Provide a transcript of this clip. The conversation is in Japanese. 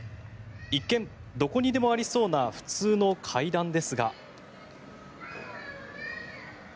一見、どこにでもありそうな普通の階段ですが。